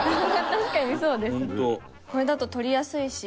確かにそうですね。